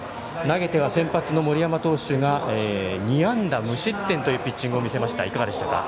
投げては先発の森山投手が２安打無失点というピッチングでした。